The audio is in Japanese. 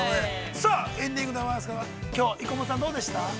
さあエンディングでございますけれども、きょう生駒さん、どうでした？